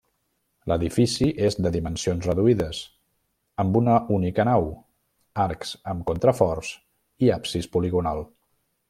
L'edifici és de dimensions reduïdes, amb una única nau, arcs amb contraforts i absis poligonal.